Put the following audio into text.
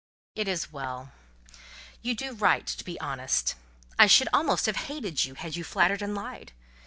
"It is well—you do right to be honest. I should almost have hated you had you flattered and lied.